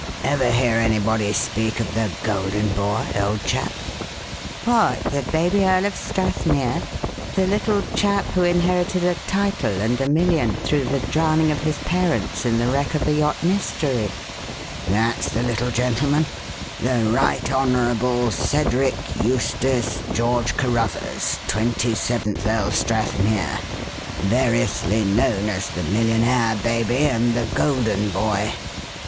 Ever hear anybody speak of the 'Golden Boy,' old chap?" "What! The baby Earl of Strathmere? The little chap who inherited a title and a million through the drowning of his parents in the wreck of the yacht Mystery?" "That's the little gentleman: the Right Honourable Cedric Eustace George Carruthers, twenty seventh Earl Strathmere, variously known as the 'Millionaire Baby' and the 'Golden Boy.'